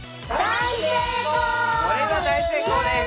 これは大成功です！